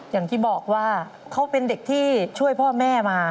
อย่างที่บอกว่าเขาเป็นเด็กที่ช่วยพ่อแม่มา